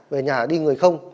về nhà đi người không